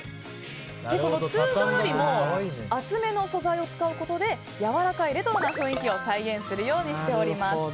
通常よりも厚めの素材を使うことでやわらかいレトロな雰囲気を再現するようにしております。